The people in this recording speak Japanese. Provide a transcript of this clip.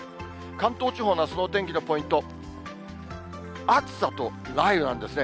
関東地方のあすのお天気のポイント、暑さと雷雨なんですね。